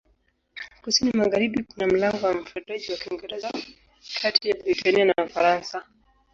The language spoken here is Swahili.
Kusini-magharibi kuna mlango wa Mfereji wa Kiingereza kati ya Britania na Ufaransa.